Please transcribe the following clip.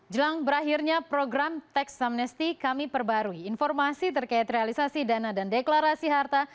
jelang berakhirnya program teks amnesty kami perbarui informasi terkait realisasi dana dan deklarasi harta